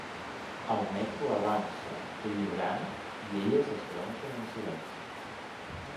El metro avança, vibrant, i elles es gronxen en silenci.